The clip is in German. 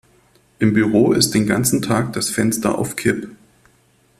Im Büro ist den ganzen Tag das Fenster auf Kipp.